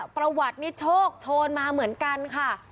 ประวัตินี่โชคโชนมาเหมือนกันค่ะ